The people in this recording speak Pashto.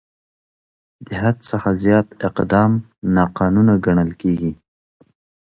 د حد څخه زیات اقدام ناقانونه ګڼل کېږي.